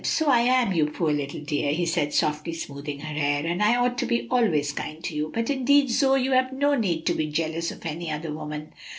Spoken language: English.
"So I am, you poor little dear," he said, softly smoothing her hair, "and I ought to be always kind to you. But, indeed, Zoe, you have no need to be jealous of any other woman.